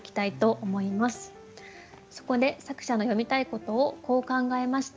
そこで作者の詠みたいことをこう考えました。